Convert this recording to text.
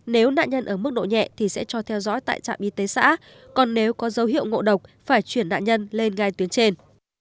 nếu nạn nhân ở mức độ nhẹ thì sẽ cho theo dõi tại trạm y tế xã còn nếu có dấu hiệu ngộ độc phải chuyển nạn nhân lên gai tuyến trên